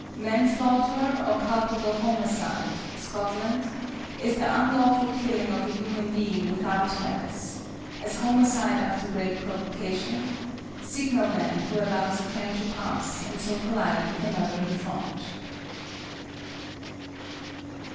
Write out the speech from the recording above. =Manslaughter= or =Culpable Homicide= (Scotland) is the unlawful killing of a human being without malice as homicide after great provocation; signalman who allows a train to pass, and so collide with another in front.